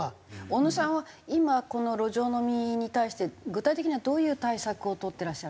小野さんは今この路上飲みに対して具体的にはどういう対策を取ってらっしゃるんですか？